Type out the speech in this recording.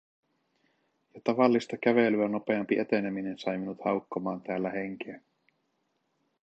Jo tavallista kävelyä nopeampi eteneminen sai minut haukkomaan täällä henkeä.